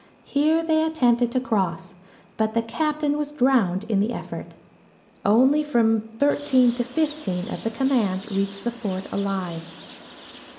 Here they attempted to cross, but the captain was drowned in the effort. Only from thirteen to fifteen of the command reached the fort alive.